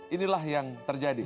inilah yang terjadi